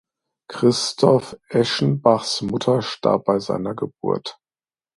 Christoph Eschenbachs Mutter starb bei seiner Geburt.